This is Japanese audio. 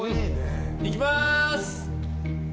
いきます！